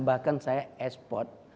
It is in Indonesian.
bahkan saya ekspor